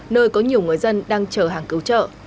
nơi có nhiều người dân đang chờ hàng cứu trợ